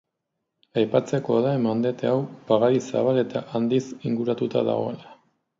Aipatzekoa da, mendate hau pagadi zabal eta handiz inguratuta dagoela.